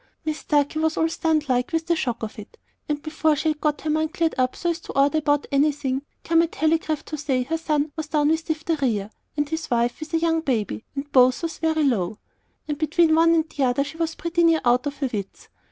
Mis Starkey was all stunned like with the shock of it; and before she had got her mind cleared up so's to order about anything, come a telegraph to say her son was down with diphtheria, and his wife with a young baby, and both was very low. And between one and the other she was pretty near out of her wits.